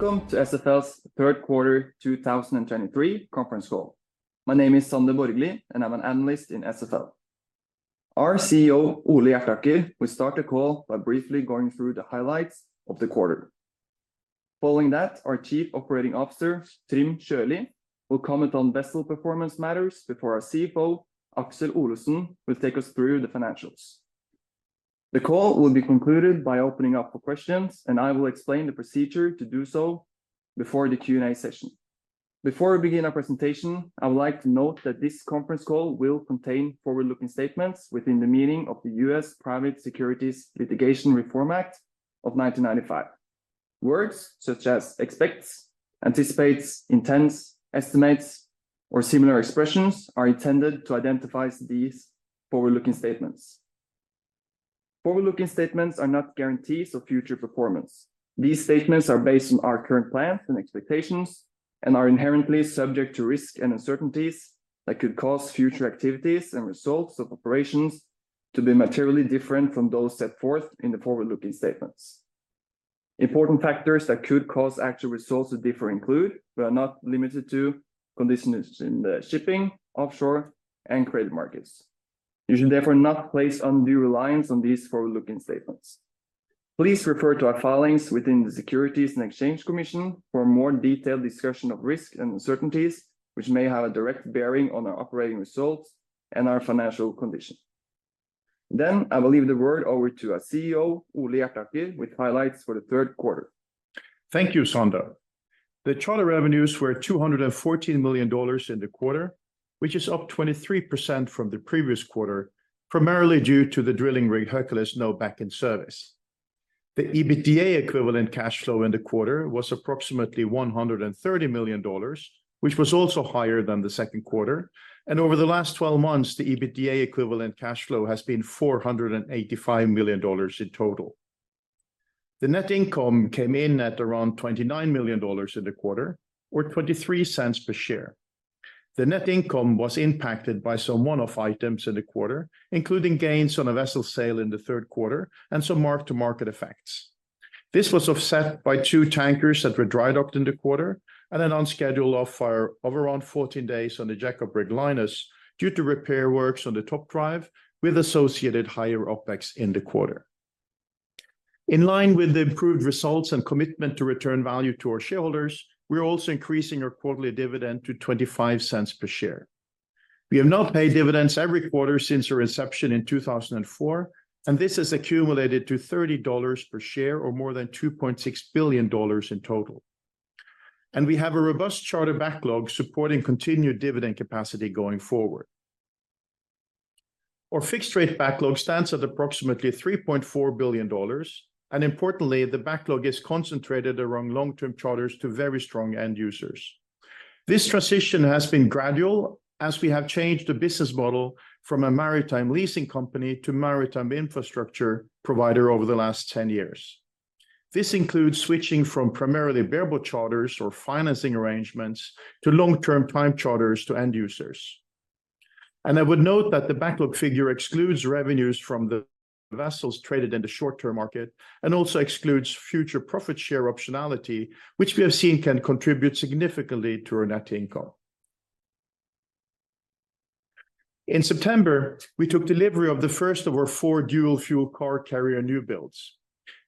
Welcome to SFL's third quarter 2023 conference call. My name is Sander Borgli, and I'm an analyst in SFL. Our CEO, Ole Hjertaker, will start the call by briefly going through the highlights of the quarter. Following that, our Chief Operating Officer, Trym Sjølie, will comment on vessel performance matters before our CFO, Aksel Olesen, will take us through the financials. The call will be concluded by opening up for questions, and I will explain the procedure to do so before the Q&A session. Before we begin our presentation, I would like to note that this conference call will contain forward-looking statements within the meaning of the U.S. Private Securities Litigation Reform Act of 1995. Words such as expects, anticipates, intends, estimates, or similar expressions are intended to identify these forward-looking statements. Forward-looking statements are not guarantees of future performance. These statements are based on our current plans and expectations and are inherently subject to risks and uncertainties that could cause future activities and results of operations to be materially different from those set forth in the forward-looking statements. Important factors that could cause actual results to differ include, but are not limited to, conditions in the shipping, offshore, and credit markets. You should therefore not place undue reliance on these forward-looking statements. Please refer to our filings within the Securities and Exchange Commission for a more detailed discussion of risks and uncertainties, which may have a direct bearing on our operating results and our financial condition. Then, I will leave the word over to our CEO, Ole Hjertaker, with highlights for the third quarter. Thank you, Sander. The charter revenues were $214 million in the quarter, which is up 23% from the previous quarter, primarily due to the drilling rig, Hercules, now back in service. The EBITDA equivalent cash flow in the quarter was approximately $130 million, which was also higher than the second quarter, and over the last 12 months, the EBITDA equivalent cash flow has been $485 million in total. The net income came in at around $29 million in the quarter, or $0.23 per share. The net income was impacted by some one-off items in the quarter, including gains on a vessel sale in the third quarter and some mark-to-market effects. This was offset by two tankers that were dry docked in the quarter, and an on-schedule off-hire of around 14 days on the jackup rig, Linus, due to repair works on the top drive, with associated higher OpEx in the quarter. In line with the improved results and commitment to return value to our shareholders, we're also increasing our quarterly dividend to $0.25 per share. We have now paid dividends every quarter since our inception in 2004, and this has accumulated to $30 per share, or more than $2.6 billion in total. And we have a robust charter backlog supporting continued dividend capacity going forward. Our fixed rate backlog stands at approximately $3.4 billion, and importantly, the backlog is concentrated around long-term charters to very strong end users. This transition has been gradual, as we have changed the business model from a maritime leasing company to maritime infrastructure provider over the last 10 years. This includes switching from primarily bareboat charters or financing arrangements to long-term time charters to end users. I would note that the backlog figure excludes revenues from the vessels traded in the short-term market and also excludes future profit share optionality, which we have seen can contribute significantly to our net income. In September, we took delivery of the first of our four dual fuel car carrier new builds.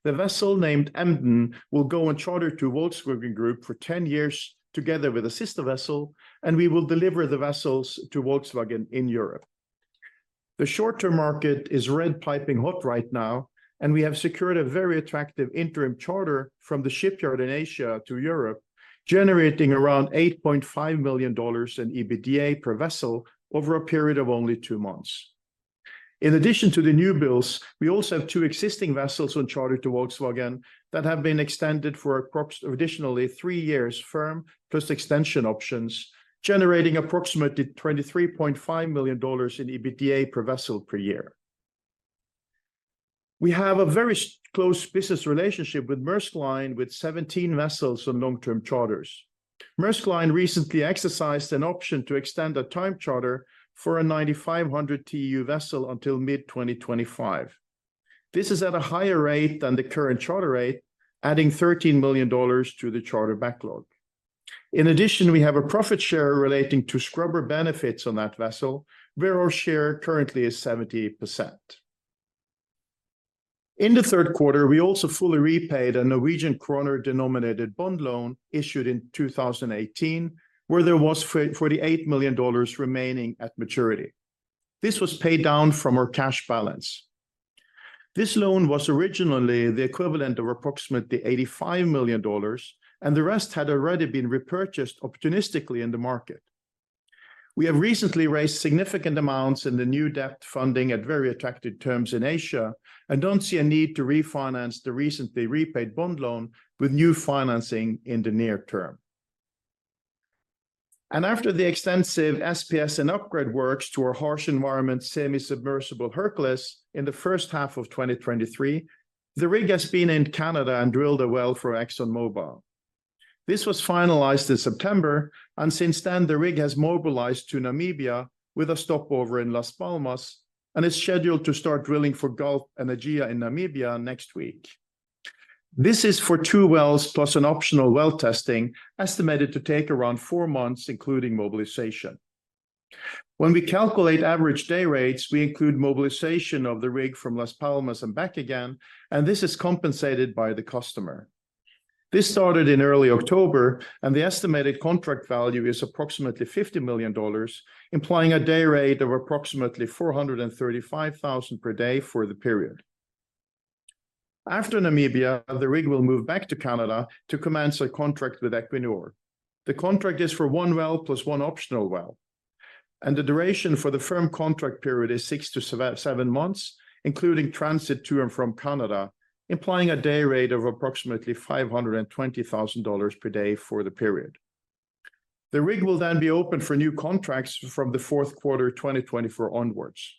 The vessel, named Emden, will go on charter to Volkswagen Group for 10 years, together with a sister vessel, and we will deliver the vessels to Volkswagen in Europe. The short-term market is red piping hot right now, and we have secured a very attractive interim charter from the shipyard in Asia to Europe, generating around $8.5 million in EBITDA per vessel over a period of only two months. In addition to the new builds, we also have two existing vessels on charter to Volkswagen that have been extended for an additional three years firm, plus extension options, generating approximately $23.5 million in EBITDA per vessel per year. We have a very close business relationship with Maersk Line, with 17 vessels on long-term charters. Maersk Line recently exercised an option to extend a time charter for a 9,500 TEU vessel until mid-2025. This is at a higher rate than the current charter rate, adding $13 million to the charter backlog. In addition, we have a profit share relating to scrubber benefits on that vessel, where our share currently is 70%. In the third quarter, we also fully repaid a Norwegian kroner-denominated bond loan issued in 2018, where there was for $48 million remaining at maturity. This was paid down from our cash balance. This loan was originally the equivalent of approximately $85 million, and the rest had already been repurchased opportunistically in the market. We have recently raised significant amounts in the new debt funding at very attractive terms in Asia and don't see a need to refinance the recently repaid bond loan with new financing in the near term. After the extensive SPS and upgrade works to our harsh environment, semi-submersible Hercules, in the first half of 2023, the rig has been in Canada and drilled a well for ExxonMobil. This was finalized in September, and since then, the rig has mobilized to Namibia with a stopover in Las Palmas, and is scheduled to start drilling for Galp Energia in Namibia next week. This is for two wells, plus an optional well testing, estimated to take around four months, including mobilization. When we calculate average day rates, we include mobilization of the rig from Las Palmas and back again, and this is compensated by the customer. This started in early October, and the estimated contract value is approximately $50 million, implying a day rate of approximately $435,000 per day for the period. After Namibia, the rig will move back to Canada to commence a contract with Equinor. The contract is for one well, plus one optional well, and the duration for the firm contract period is six to seven months, including transit to and from Canada, implying a day rate of approximately $520,000 per day for the period. The rig will then be open for new contracts from the fourth quarter 2024 onwards.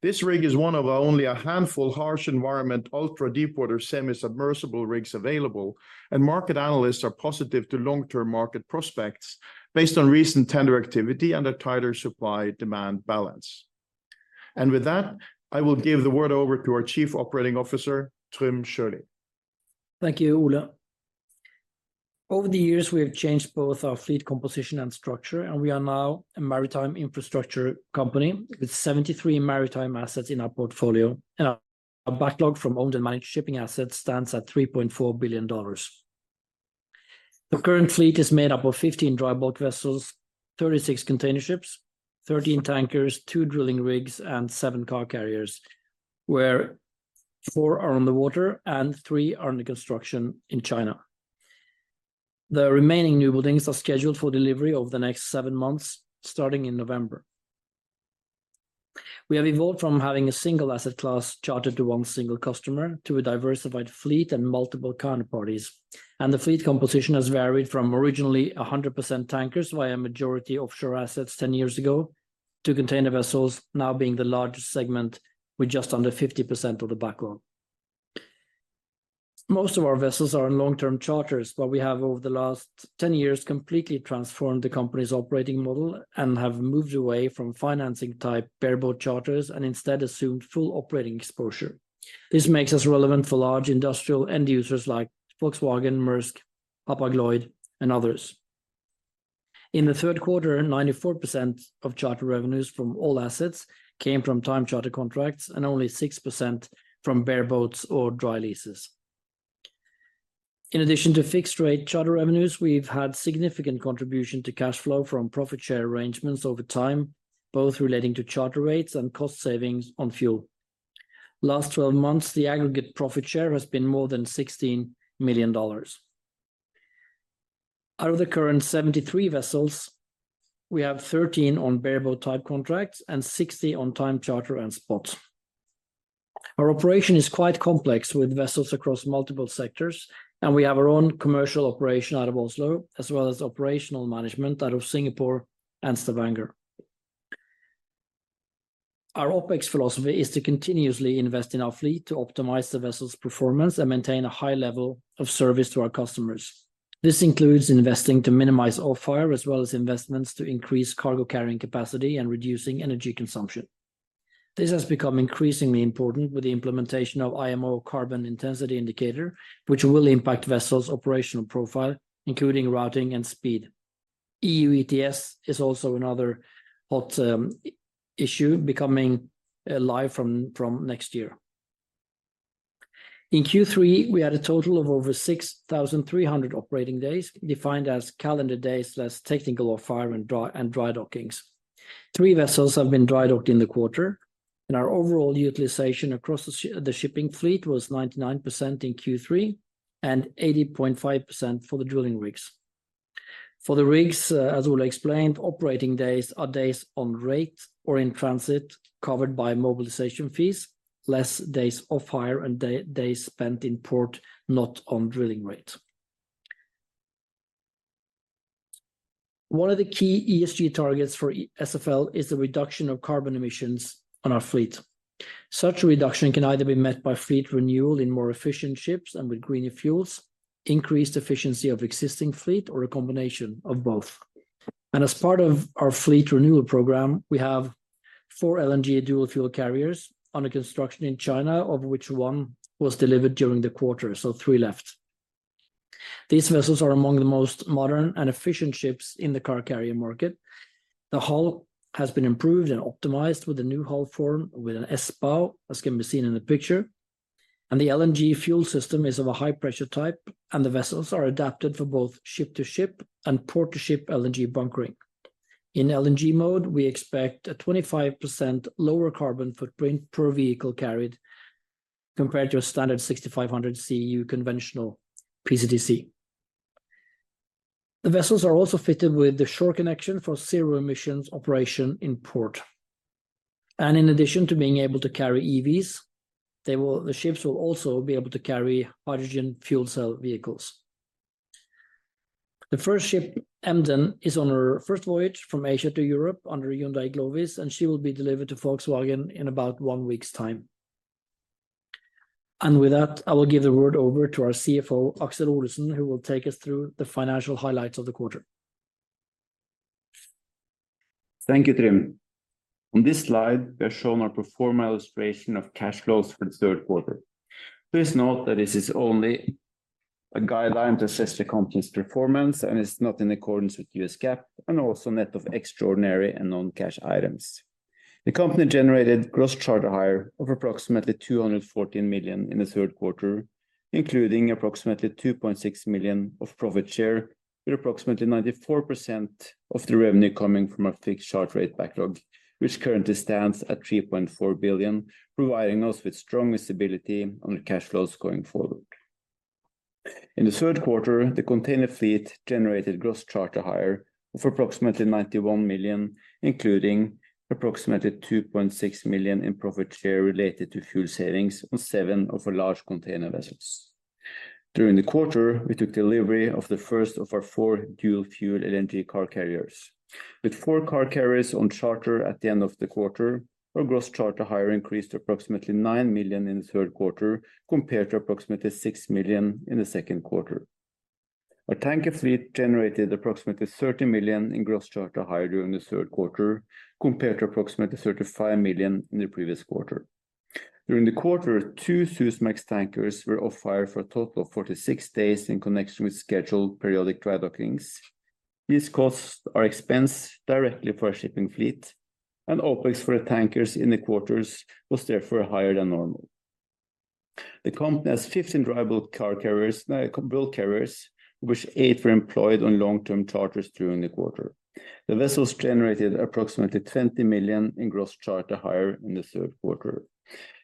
This rig is one of only a handful harsh environment, ultra-deepwater, semi-submersible rigs available, and market analysts are positive to long-term market prospects based on recent tender activity and a tighter supply-demand balance. With that, I will give the word over to our Chief Operating Officer, Trym Sjølie. Thank you, Ole. Over the years, we have changed both our fleet composition and structure, and we are now a maritime infrastructure company with 73 maritime assets in our portfolio. Our backlog from owned and managed shipping assets stands at $3.4 billion. The current fleet is made up of 15 dry bulk vessels, 36 container ships, 13 tankers, two drilling rigs, and seven car carriers, where four are on the water and three are under construction in China. The remaining newbuildings are scheduled for delivery over the next seven months, starting in November. We have evolved from having a single asset class chartered to one single customer to a diversified fleet and multiple counterparties. The fleet composition has varied from originally 100% tankers via majority offshore assets 10 years ago, to container vessels now being the largest segment, with just under 50% of the backlog. Most of our vessels are on long-term charters, but we have, over the last 10 years, completely transformed the company's operating model and have moved away from financing type bareboat charters and instead assumed full operating exposure. This makes us relevant for large industrial end users like Volkswagen, Maersk, Hapag-Lloyd, and others. In the third quarter, 94% of charter revenues from all assets came from time charter contracts and only 6% from bareboats or dry leases. In addition to fixed-rate charter revenues, we've had significant contribution to cash flow from profit share arrangements over time, both relating to charter rates and cost savings on fuel. Last 12 months, the aggregate profit share has been more than $16 million. Out of the current 73 vessels, we have 13 on bareboat type contracts and 60 on time charter and spot. Our operation is quite complex, with vessels across multiple sectors, and we have our own commercial operation out of Oslo, as well as operational management out of Singapore and Stavanger. Our OpEx philosophy is to continuously invest in our fleet to optimize the vessel's performance and maintain a high level of service to our customers. This includes investing to minimize off-hire, as well as investments to increase cargo carrying capacity and reducing energy consumption. This has become increasingly important with the implementation of IMO Carbon Intensity Indicator, which will impact vessels' operational profile, including routing and speed. EU ETS is also another hot issue becoming live from next year. In Q3, we had a total of over 6,300 operating days, defined as calendar days, less technical off-hire and dry, and dry dockings. Three vessels have been dry docked in the quarter, and our overall utilization across the the shipping fleet was 99% in Q3 and 80.5% for the drilling rigs. For the rigs, as Ole explained, operating days are days on rate or in transit, covered by mobilization fees, less days off-hire and days spent in port, not on drilling rate. One of the key ESG targets for SFL is the reduction of carbon emissions on our fleet. Such a reduction can either be met by fleet renewal in more efficient ships and with greener fuels, increased efficiency of existing fleet, or a combination of both. As part of our fleet renewal program, we have four LNG dual fuel carriers under construction in China, of which one was delivered during the quarter, so three left. These vessels are among the most modern and efficient ships in the car carrier market. The hull has been improved and optimized with a new hull form, with an S bow, as can be seen in the picture. And the LNG fuel system is of a high-pressure type, and the vessels are adapted for both ship-to-ship and port-to-ship LNG bunkering. In LNG mode, we expect a 25% lower carbon footprint per vehicle carried compared to a standard 6,500 CEU conventional PCTC. The vessels are also fitted with the shore connection for zero emissions operation in port. And in addition to being able to carry EVs, the ships will also be able to carry hydrogen fuel cell vehicles. The first ship, Emden, is on her first voyage from Asia to Europe under Hyundai Glovis, and she will be delivered to Volkswagen in about one week's time. And with that, I will give the word over to our CFO, Aksel Olesen, who will take us through the financial highlights of the quarter. Thank you, Trym. On this slide, we are showing our pro forma illustration of cash flows for the third quarter. Please note that this is only a guideline to assess the company's performance, and it's not in accordance with U.S. GAAP, and also net of extraordinary and non-cash items. The company generated gross charter hire of approximately $214 million in the third quarter, including approximately $2.6 million of profit share, with approximately 94% of the revenue coming from our fixed charter rate backlog, which currently stands at $3.4 billion, providing us with strong stability on the cash flows going forward. In the third quarter, the container fleet generated gross charter hire of approximately $91 million, including approximately $2.6 million in profit share related to fuel savings on seven of our large container vessels. During the quarter, we took delivery of the first of our four dual fuel LNG car carriers. With four car carriers on charter at the end of the quarter, our gross charter hire increased to approximately $9 million in the third quarter, compared to approximately $6 million in the second quarter. Our tanker fleet generated approximately $30 million in gross charter hire during the third quarter, compared to approximately $35 million in the previous quarter. During the quarter, two Supramax tankers were off-hire for a total of 46 days in connection with scheduled periodic dry dockings. These costs are expensed directly for our shipping fleet, and OpEx for the tankers in the quarters was therefore higher than normal. The company has 15 dry bulk car carriers, bulk carriers, which eight were employed on long-term charters during the quarter. The vessels generated approximately $20 million in gross charter hire in the third quarter.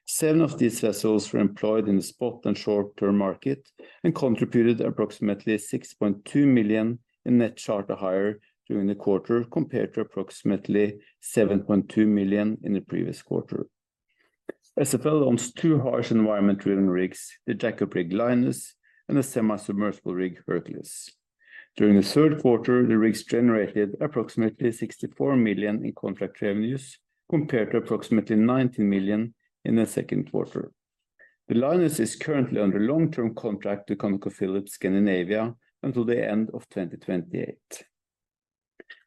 Seven of these vessels were employed in the spot and short-term market and contributed approximately $6.2 million in net charter hire during the quarter, compared to approximately $7.2 million in the previous quarter. SFL owns two harsh environment drilling rigs, the jackup rig, Linus, and a semi-submersible rig, Hercules. During the third quarter, the rigs generated approximately $64 million in contract revenues, compared to approximately $19 million in the second quarter. The Linus is currently under long-term contract to ConocoPhillips Scandinavia until the end of 2028.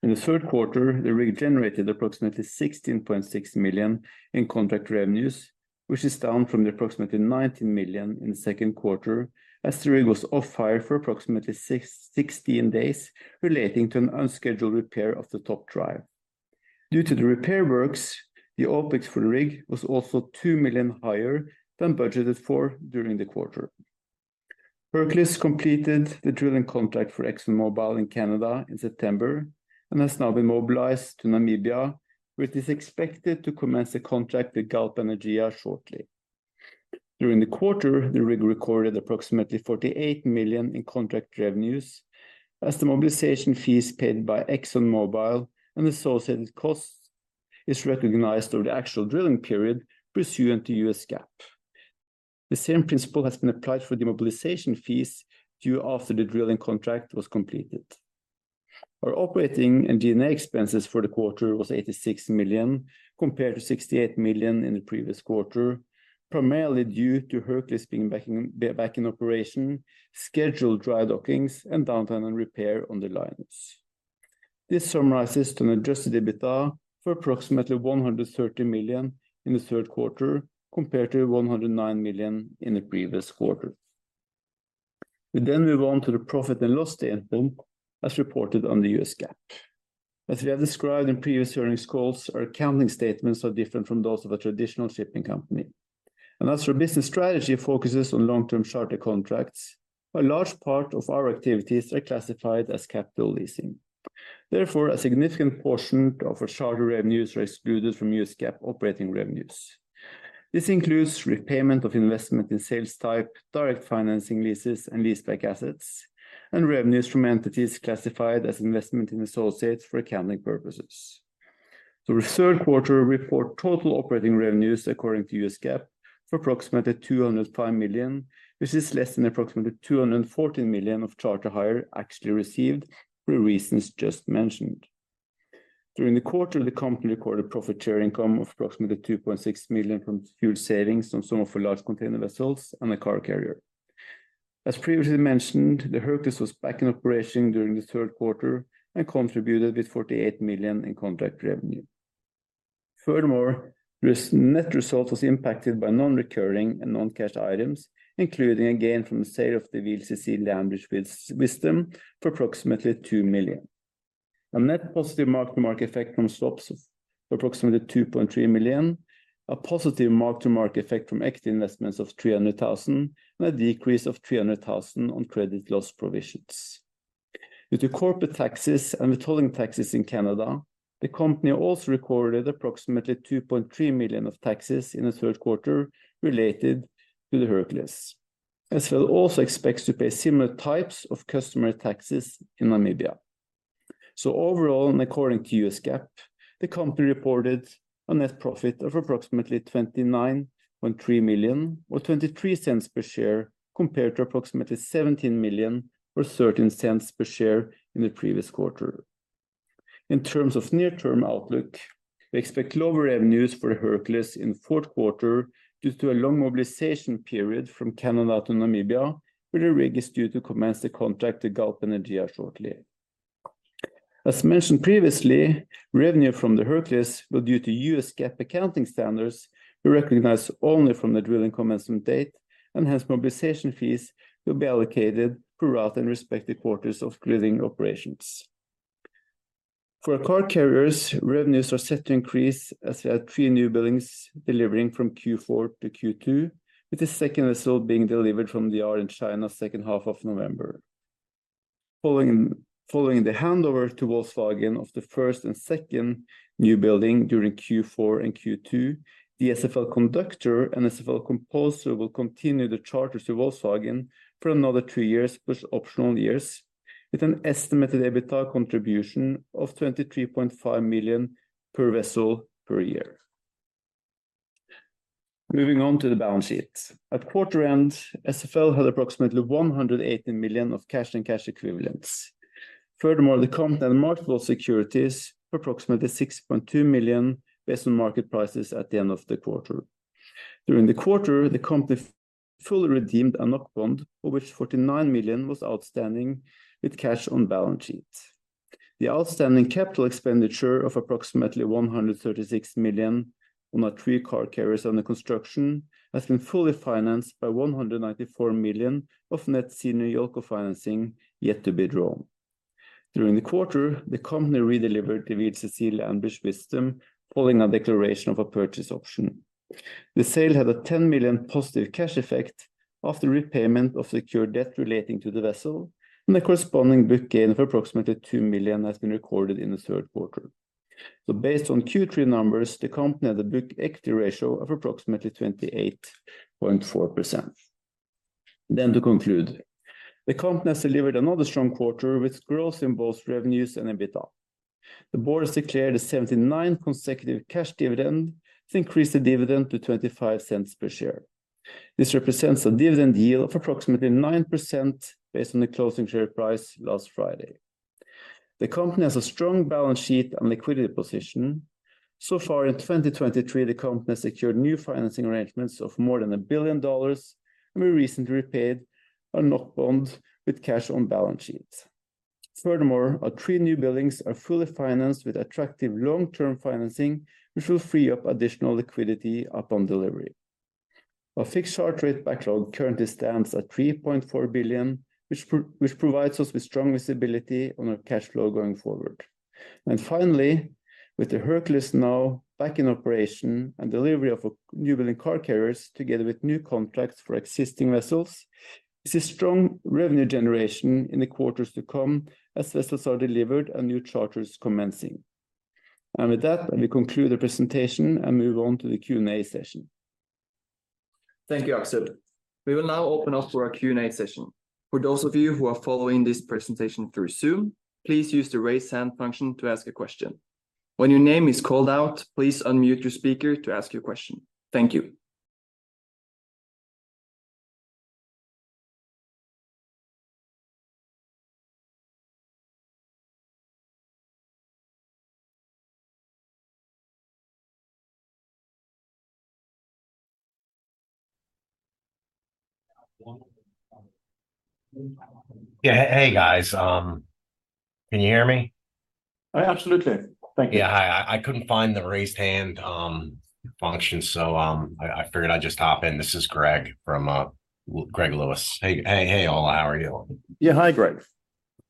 In the third quarter, the rig generated approximately $16.6 million in contract revenues, which is down from the approximately $19 million in the second quarter, as the rig was off-hire for approximately 16 days relating to an unscheduled repair of the top drive. Due to the repair works, the OpEx for the rig was also $2 million higher than budgeted for during the quarter. Hercules completed the drilling contract for ExxonMobil in Canada in September and has now been mobilized to Namibia, which is expected to commence a contract with Galp Energia shortly. During the quarter, the rig recorded approximately $48 million in contract revenues, as the mobilization fees paid by ExxonMobil and associated costs is recognized over the actual drilling period pursuant to U.S. GAAP. The same principle has been applied for the mobilization fees due after the drilling contract was completed. Our operating and G&A expenses for the quarter was $86 million, compared to $68 million in the previous quarter, primarily due to Hercules being back in operation, scheduled dry dockings, and downtime and repair on the Linus. This summarizes to an adjusted EBITDA for approximately $130 million in the third quarter, compared to $109 million in the previous quarter. We then move on to the profit and loss statement as reported under U.S. GAAP. As we have described in previous earnings calls, our accounting statements are different from those of a traditional shipping company. And as our business strategy focuses on long-term charter contracts, a large part of our activities are classified as capital leasing. Therefore, a significant portion of our charter revenues are excluded from U.S. GAAP operating revenues. This includes repayment of investment in sales type, direct financing leases, and leaseback assets, and revenues from entities classified as investment in associates for accounting purposes. The third quarter report total operating revenues according to U.S. GAAP for approximately $205 million, which is less than approximately $214 million of charter hire actually received for the reasons just mentioned. During the quarter, the company recorded profit share income of approximately $2.6 million from fuel savings on some of our large container vessels and a car carrier. As previously mentioned, the Hercules was back in operation during the third quarter and contributed with $48 million in contract revenue. Furthermore, this net result was impacted by non-recurring and non-cash items, including a gain from the sale of the Landbridge Wisdom for approximately $2 million. A net positive mark-to-market effect from swaps of approximately $2.3 million, a positive mark-to-market effect from equity investments of $300,000, and a decrease of $300,000 on credit loss provisions. Due to corporate taxes and withholding taxes in Canada, the company also recorded approximately $2.3 million of taxes in the third quarter related to the Hercules. SFL also expects to pay similar types of customer taxes in Namibia. So overall, and according to U.S. GAAP, the company reported a net profit of approximately $29.3 million or $0.23 per share, compared to approximately $17 million or $0.13 per share in the previous quarter. In terms of near-term outlook, we expect lower revenues for the Hercules in fourth quarter due to a long mobilization period from Canada to Namibia, where the rig is due to commence the contract to Galp Energia shortly. As mentioned previously, revenue from the Hercules will, due to U.S. GAAP accounting standards, be recognized only from the drilling commencement date, and hence mobilization fees will be allocated throughout the respective quarters of drilling operations. For our car carriers, revenues are set to increase as we have three new buildings delivering from Q4 to Q2, with the second vessel being delivered from the yard in China second half of November. Following the handover to Volkswagen of the first and second new building during Q4 and Q2, the SFL Conductor and SFL Composer will continue the charters to Volkswagen for another two years, plus optional years, with an estimated EBITDA contribution of $23.5 million per vessel per year. Moving on to the balance sheet. At quarter end, SFL had approximately $118 million of cash and cash equivalents. Furthermore, the company had marketable securities of approximately $6.2 million, based on market prices at the end of the quarter. During the quarter, the company fully redeemed a NOK bond, of which $49 million was outstanding, with cash on balance sheet. The outstanding capital expenditure of approximately $136 million on our three car carriers under construction has been fully financed by $194 million of net senior Yoco financing, yet to be drawn. During the quarter, the company redelivered the Landbridge Wisdom, following a declaration of a purchase option. The sale had a $10 million positive cash effect after repayment of secured debt relating to the vessel, and a corresponding book gain of approximately $2 million has been recorded in the third quarter. So based on Q3 numbers, the company had a book equity ratio of approximately 28.4%. Then to conclude, the company has delivered another strong quarter with growth in both revenues and EBITDA. The board has declared a 79 consecutive cash dividend, to increase the dividend to $0.25 per share. This represents a dividend yield of approximately 9% based on the closing share price last Friday. The company has a strong balance sheet and liquidity position. So far in 2023, the company has secured new financing arrangements of more than $1 billion, and we recently repaid a NOK bond with cash on balance sheet. Furthermore, our three new buildings are fully financed with attractive long-term financing, which will free up additional liquidity upon delivery. Our fixed charter rate backlog currently stands at $3.4 billion, which provides us with strong visibility on our cash flow going forward. And finally, with the Hercules now back in operation, and delivery of our new building car carriers, together with new contracts for existing vessels, this is strong revenue generation in the quarters to come as vessels are delivered and new charters commencing. With that, let me conclude the presentation and move on to the Q&A session. Thank you, Aksel. We will now open up for our Q&A session. For those of you who are following this presentation through Zoom, please use the Raise Hand function to ask a question. When your name is called out, please unmute your speaker to ask your question. Thank you. Yeah. Hey, guys, can you hear me? Oh, absolutely. Thank you. Yeah, hi. I couldn't find the raise hand function, so I figured I'd just hop in. This is Greg from Greg Lewis. Hey, hey, hey, all. How are you? Yeah. Hi, Greg.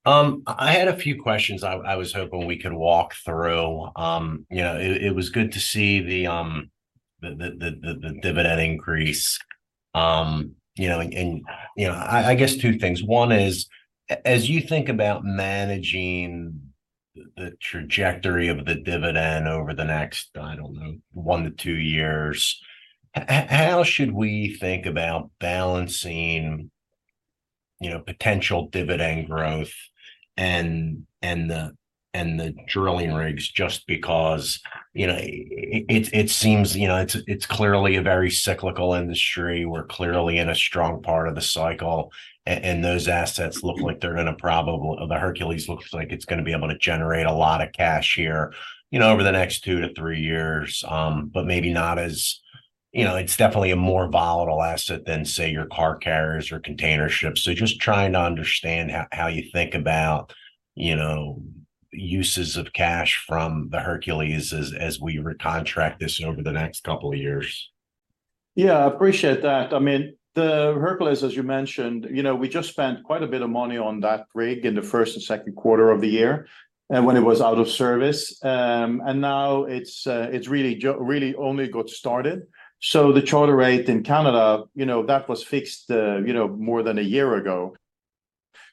I had a few questions I was hoping we could walk through. You know, it was good to see the dividend increase. You know, and you know, I guess two things. One is, as you think about managing the trajectory of the dividend over the next, I don't know, one to two years, how should we think about balancing, you know, potential dividend growth and the drilling rigs? Just because, you know, it seems, you know, it's clearly a very cyclical industry. We're clearly in a strong part of the cycle, and those assets look like they're in a probable... The Hercules looks like it's gonna be able to generate a lot of cash here, you know, over the next two to three years, but maybe not as, you know, it's definitely a more volatile asset than, say, your car carriers or container ships. So just trying to understand how you think about, you know, uses of cash from the Hercules as we recontract this over the next couple of years. Yeah, I appreciate that. I mean, the Hercules, as you mentioned, you know, we just spent quite a bit of money on that rig in the first and second quarter of the year, and when it was out of service. And now it's really only got started. So the charter rate in Canada, you know, that was fixed, you know, more than a year ago.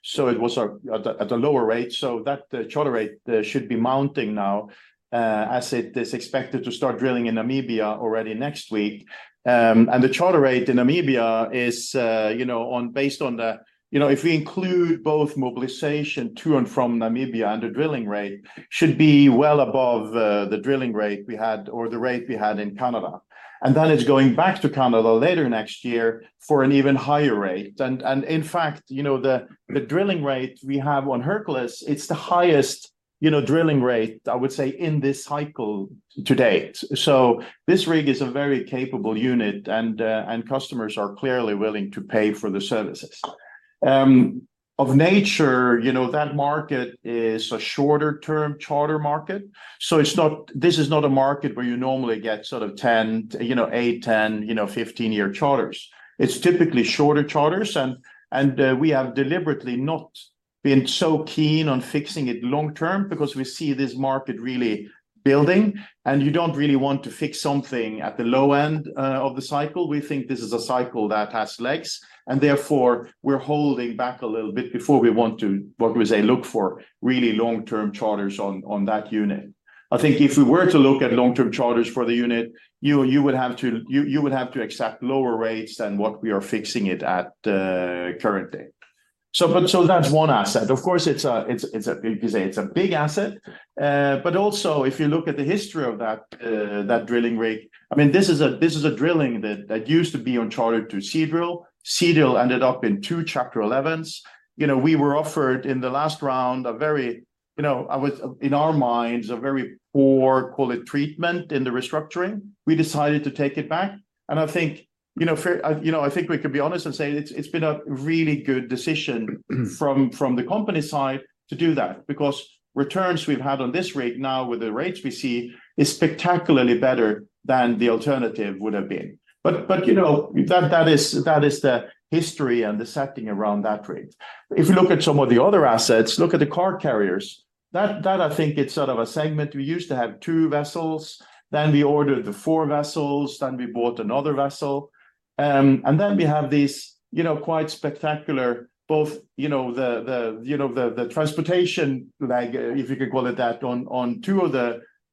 So it was at a lower rate, so that charter rate should be mounting now as it is expected to start drilling in Namibia already next week. And the charter rate in Namibia is, you know, based on the... You know, if we include both mobilization to and from Namibia, and the drilling rate should be well above the drilling rate we had or the rate we had in Canada. And then it's going back to Canada later next year for an even higher rate. And in fact, you know, the drilling rate we have on Hercules, it's the highest, you know, drilling rate, I would say, in this cycle to date. So this rig is a very capable unit, and customers are clearly willing to pay for the services. Of nature, you know, that market is a shorter-term charter market. So it's not- this is not a market where you normally get sort of 10, you know, eight, 10, you know, 15-year charters. It's typically shorter charters. And we have deliberately not been so keen on fixing it long-term because we see this market really building, and you don't really want to fix something at the low end of the cycle. We think this is a cycle that has legs, and therefore we're holding back a little bit before we want to, what we say, look for really long-term charters on that unit. I think if we were to look at long-term charters for the unit, you would have to accept lower rates than what we are fixing it at currently. So that's one asset. Of course, it's a big asset, you could say. But also if you look at the history of that drilling rig, I mean, this is a drilling that used to be on charter to Seadrill. Seadrill ended up in two Chapter 11s. You know, we were offered in the last round a very, you know, I would, in our minds, a very poor, call it, treatment in the restructuring. We decided to take it back, and I think, you know, I think we can be honest and say it's, it's been a really good decision from, from the company side to do that. Because returns we've had on this rig now with the rates we see is spectacularly better than the alternative would have been. But, you know, that, that is, that is the history and the setting around that rig. If you look at some of the other assets, look at the car carriers. That, I think it's sort of a segment. We used to have two vessels, then we ordered the four vessels, then we bought another vessel. And then we have these, you know, quite spectacular, both, you know, the transportation lag, if you could call it that, on two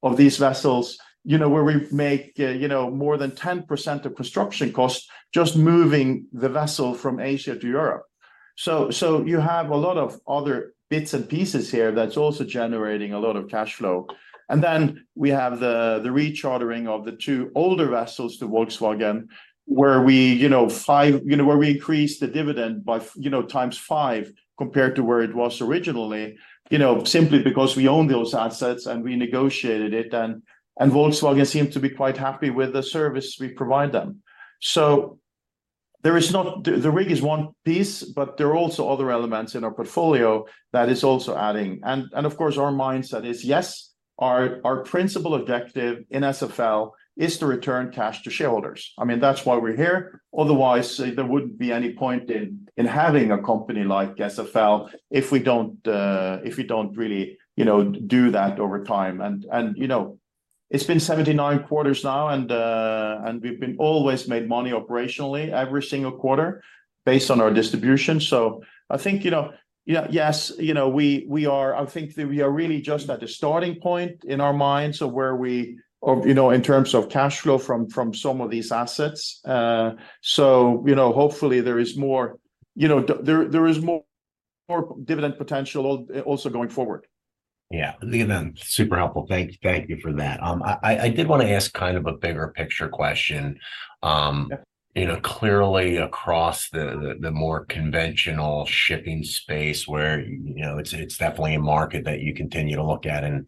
of these vessels, you know, where we make, you know, more than 10% of construction costs just moving the vessel from Asia to Europe. So you have a lot of other bits and pieces here that's also generating a lot of cash flow. And then we have the rechartering of the two older vessels to Volkswagen, where we, you know, where we increased the dividend by, you know, times five compared to where it was originally. You know, simply because we own those assets, and we negotiated it, and Volkswagen seem to be quite happy with the service we provide them. So there is not... The rig is one piece, but there are also other elements in our portfolio that is also adding. Of course, our mindset is, yes, our Principal objective in SFL is to return cash to shareholders. I mean, that's why we're here. Otherwise, there wouldn't be any point in having a company like SFL if we don't really, you know, do that over time. You know, it's been 79 quarters now, and we've always made money operationally every single quarter based on our distribution. So I think, you know, yeah, yes, you know, we are, I think that we are really just at the starting point in our minds of where we... You know, in terms of cash flow from some of these assets. So, you know, hopefully there is more, you know, there is more dividend potential also going forward. Yeah, again, super helpful. Thank you for that. I did want to ask kind of a bigger picture question. You know, clearly across the more conventional shipping space, where, you know, it's definitely a market that you continue to look at and,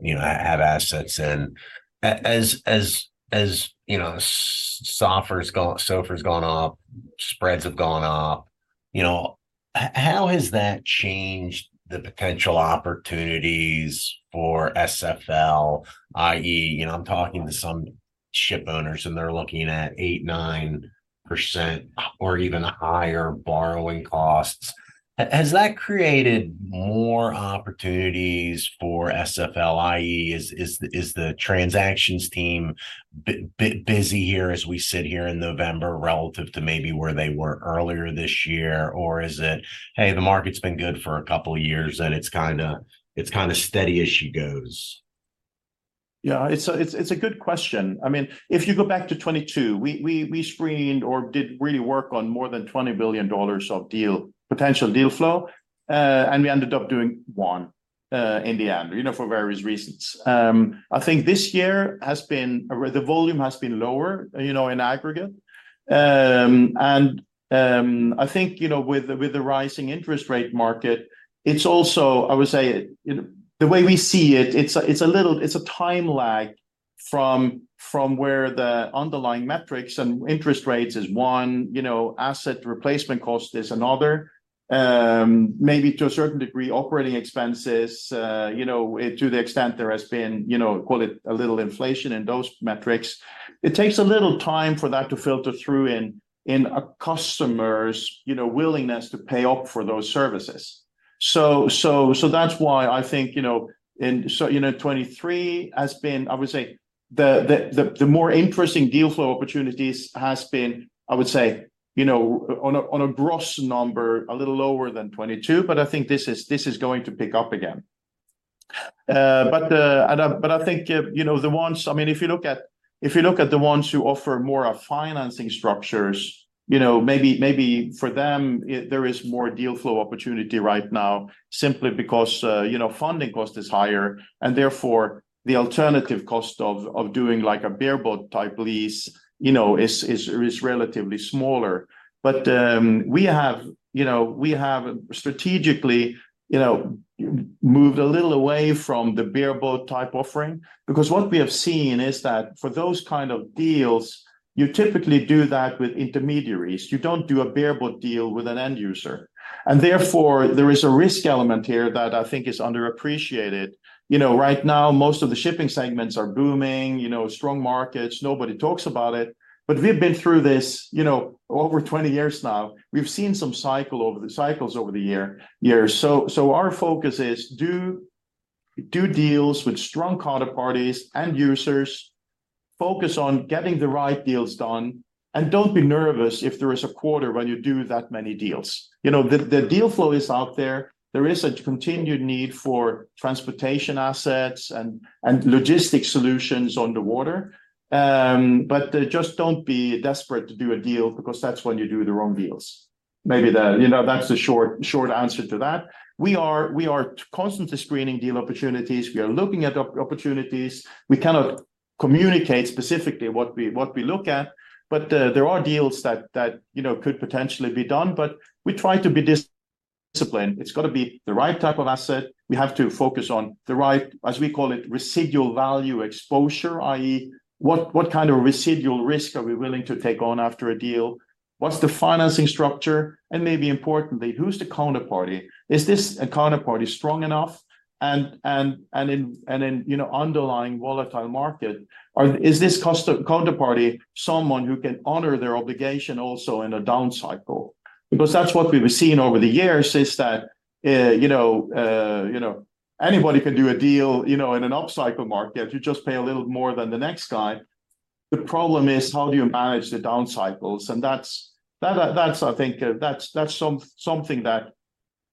you know, have assets in. As you know, SOFR's gone up, spreads have gone up, you know, how has that changed the potential opportunities for SFL? I.e., you know, I'm talking to some shipowners, and they're looking at 8%, 9% or even higher borrowing costs. Has that created more opportunities for SFL, i.e., is the transactions team bit busy here as we sit here in November relative to maybe where they were earlier this year? Or is it, "Hey, the market's been good for a couple of years, and it's kind of, it's kind of steady as she goes? Yeah, it's a good question. I mean, if you go back to 2022, we screened or did really work on more than $20 billion of potential deal flow, and we ended up doing one in the end, you know, for various reasons. I think this year has been, the volume has been lower, you know, in aggregate. And I think, you know, with the rising interest rate market, it's also, I would say, you know, the way we see it, it's a little time lag from where the underlying metrics and interest rates is one, you know, asset replacement cost is another. Maybe to a certain degree, operating expenses, you know, to the extent there has been, you know, call it a little inflation in those metrics. It takes a little time for that to filter through in a customer's, you know, willingness to pay up for those services. So that's why I think, you know, so you know, 2023 has been, I would say, the more interesting deal flow opportunities has been, I would say, you know, on a gross number, a little lower than 2022, but I think this is going to pick up again. But I think, you know, the ones, I mean, if you look at, if you look at the ones who offer more of financing structures, you know, maybe, maybe for them it, there is more deal flow opportunity right now simply because, you know, funding cost is higher, and therefore, the alternative cost of doing like a bareboat type lease, you know, is relatively smaller. But we have, you know, we have strategically, you know, moved a little away from the bareboat type offering. Because what we have seen is that for those kind of deals, you typically do that with intermediaries. You don't do a bareboat deal with an end user, and therefore, there is a risk element here that I think is underappreciated. You know, right now, most of the shipping segments are booming, you know, strong markets, nobody talks about it. But we've been through this, you know, over 20 years now. We've seen some cycles over the years. So our focus is do deals with strong counterparties, end users, focus on getting the right deals done, and don't be nervous if there is a quarter where you do that many deals. You know, the deal flow is out there. There is a continued need for transportation assets and logistic solutions on the water. But just don't be desperate to do a deal, because that's when you do the wrong deals. Maybe that, you know, that's the short answer to that. We are constantly screening deal opportunities. We are looking at opportunities. We cannot communicate specifically what we look at, but there are deals that you know could potentially be done, but we try to be disciplined. It's got to be the right type of asset. We have to focus on the right, as we call it, residual value exposure, i.e., what kind of residual risk are we willing to take on after a deal? What's the financing structure? And maybe importantly, who's the counterparty? Is this counterparty strong enough? And in you know underlying volatile market, is this counterparty someone who can honor their obligation also in a down cycle? Because that's what we've seen over the years, is that you know anybody can do a deal you know in an up cycle market. You just pay a little more than the next guy. The problem is how do you manage the down cycles? And that's, I think, something that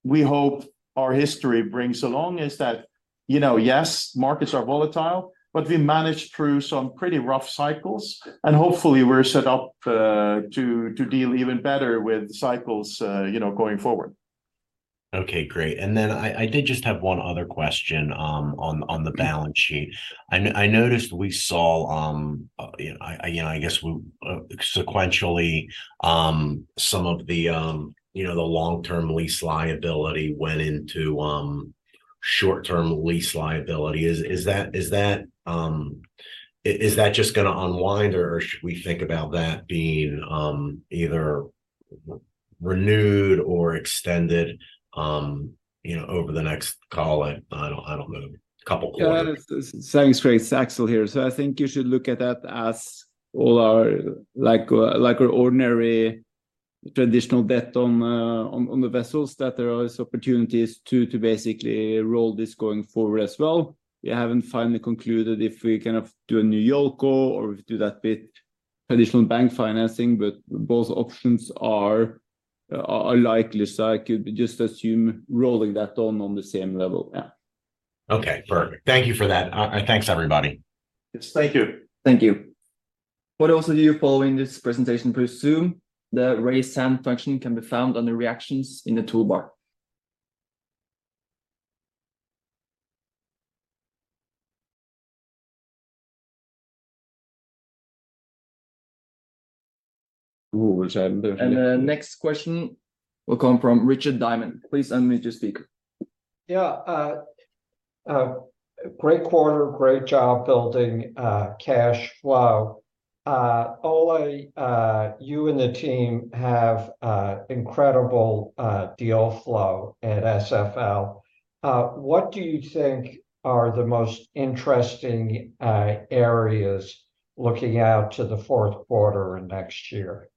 we hope our history brings along, is that, you know, yes, markets are volatile, but we managed through some pretty rough cycles, and hopefully we're set up to deal even better with cycles, you know, going forward. Okay, great. And then I did just have one other question, on the balance sheet. I noticed we saw, you know, I guess we, sequentially, some of the, you know, the long-term lease liability went into, short-term lease liability. Is that just gonna unwind, or should we think about that being, either renewed or extended, you know, over the next call? I don't know, couple quarters. Yeah, that is... Thanks, Greg. It's Aksel here. So I think you should look at that as all our, like, like our ordinary traditional debt on, on, on the vessels, that there are always opportunities to, to basically roll this going forward as well. We haven't finally concluded if we kind of do a new Yoco or if we do that bit traditional bank financing, but both options are, are, are likely. So I could just assume rolling that on, on the same level. Yeah. Okay, perfect. Thank you for that. And thanks, everybody. Yes, thank you. Thank you. What else are you following this presentation? Please assume the Raise Hand function can be found under Reactions in the toolbar. Ooh, Richard- The next question will come from Richard Diamond. Please unmute your speaker. Yeah, great quarter, great job building cash flow. Ole, you and the team have incredible deal flow at SFL. What do you think are the most interesting areas looking out to the fourth quarter and next year?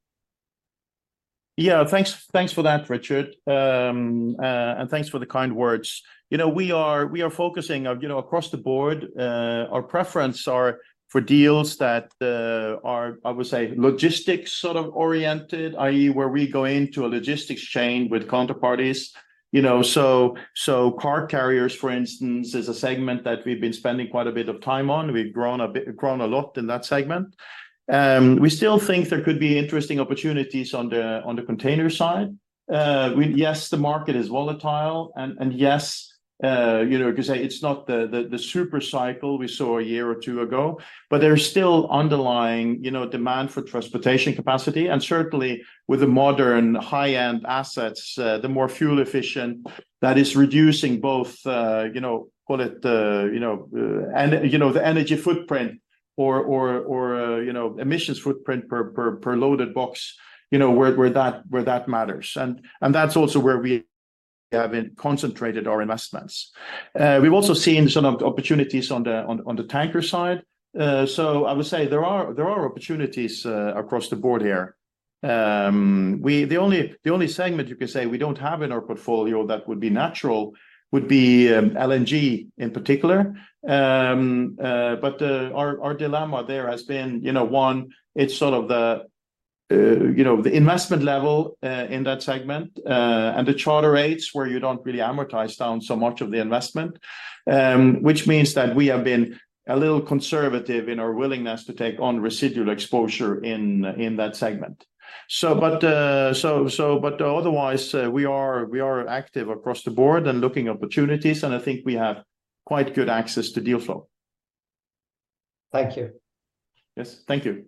Yeah, thanks, thanks for that, Richard. Thanks for the kind words. You know, we are, we are focusing on, you know, across the board, our preference are for deals that are, I would say, logistics sort of oriented, i.e., where we go into a logistics chain with counterparties. You know, so, so car carriers, for instance, is a segment that we've been spending quite a bit of time on. We've grown a bit- grown a lot in that segment. We still think there could be interesting opportunities on the, on the container side. Yes, the market is volatile, and yes, you know, you could say it's not the super cycle we saw a year or two ago, but there's still underlying, you know, demand for transportation capacity, and certainly with the modern high-end assets, the more fuel efficient, that is reducing both, you know, call it, you know, the energy footprint or, you know, emissions footprint per loaded box, you know, where that matters. And that's also where we have been concentrated our investments. We've also seen some of the opportunities on the tanker side. So I would say there are opportunities across the board here. We... The only segment you can say we don't have in our portfolio that would be natural would be LNG in particular. But our dilemma there has been, you know, one, it's sort of the, you know, the investment level in that segment and the charter rates, where you don't really amortize down so much of the investment, which means that we have been a little conservative in our willingness to take on residual exposure in that segment. So, but otherwise, we are active across the board and looking opportunities, and I think we have quite good access to deal flow. Thank you. Yes, thank you.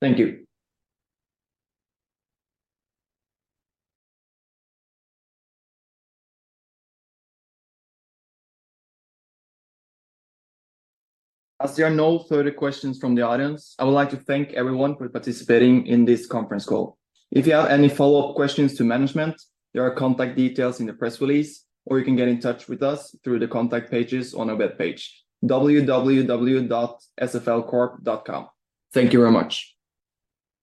Thank you. As there are no further questions from the audience, I would like to thank everyone for participating in this conference call. If you have any follow-up questions to management, there are contact details in the press release, or you can get in touch with us through the contact pages on our web page, www.sflcorp.com. Thank you very much.